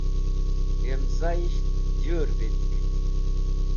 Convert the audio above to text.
Yem zayisht jũr vitk.